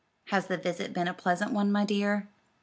"Has the visit been a pleasant one, my dear?"